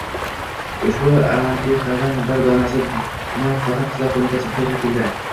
Ushbu antiqadan bir donasi tuman xotin-qizlar qo‘mitasi ixtiyoriga keldi.